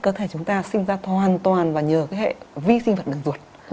nó rất là vô lý